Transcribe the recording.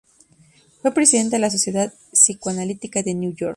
Fue presidente de la Sociedad Psicoanalítica de Nueva York.